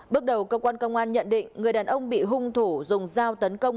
bước đầu công an công an nhận định người đàn ông bị hung thủ dùng dao tấn công